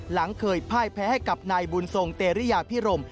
หลังเคยพ่ายแพ้ให้กับนายบุญทรงเตรียพิรม